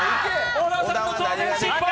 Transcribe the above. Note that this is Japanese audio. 小田さんの挑戦失敗！